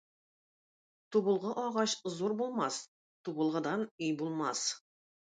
Тубылгы агач зур булмас, тубылгыдан өй булмас.